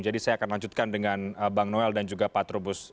jadi saya akan lanjutkan dengan bang noel dan juga pak trubus